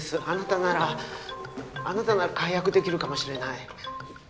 あなたならあなたなら解約できるかもしれない。